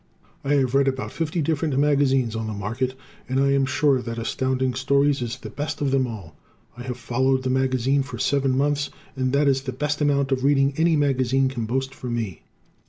I have read about fifty different magazines on the market, and I am sure that Astounding Stories is the best of them all. I have followed the magazine for seven months and that is the best amount of reading any magazine can boast for me.